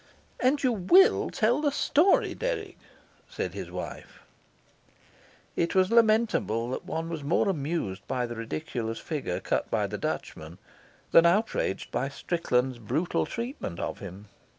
"And you tell the story, Dirk," Said his wife. It was lamentable that one was more amused by the ridiculous figure cut by the Dutchman than outraged by Strickland's brutal treatment of him.